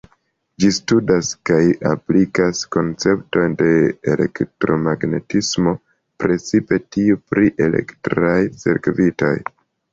Ĝi studas kaj aplikas konceptojn de elektromagnetismo, precipe tiuj pri elektraj cirkvitoj.